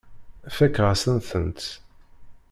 Fakeɣ-asent-tent.